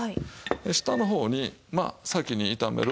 下の方にまあ先に炒める。